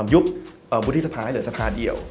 ยุบวุฒิสภาให้เหลือสภาเดียว